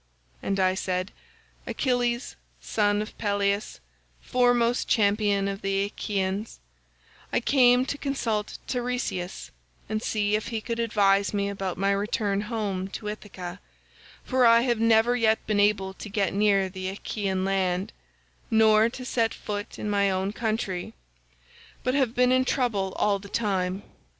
"And I said, 'Achilles, son of Peleus, foremost champion of the Achaeans, I came to consult Teiresias, and see if he could advise me about my return home to Ithaca, for I have never yet been able to get near the Achaean land, nor to set foot in my own country, but have been in trouble all the time.